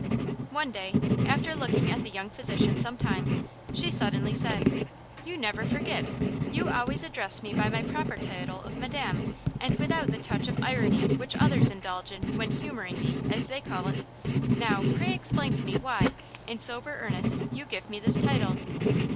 One day, after looking at the young physician some time, she suddenly said: "You never forget. You always address me by my proper title of Madam, and without the touch of irony which others indulge in when 'humoring' me, as they call it! Now, pray explain to me why, in sober earnest, you give me this title?"